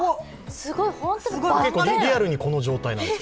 リアルにこの状態なんです。